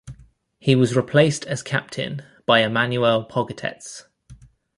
He was replaced as captain by Emanuel Pogatetz.